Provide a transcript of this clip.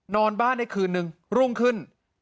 นอนบ้านได้คืนนึงรุ่งขึ้น